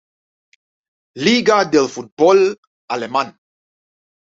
Liga del fútbol alemán.